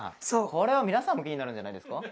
これは皆さんも気になるんじゃないですか？